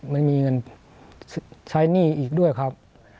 ไม่มีเงินใช้หนี้อีกด้วยครับ